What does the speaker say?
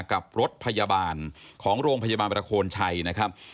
กับรถพยาบาลของโรงพยาบาลประโคนชัยนะครับ